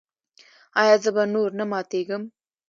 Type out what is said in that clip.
ایا زه به نور نه ماتیږم؟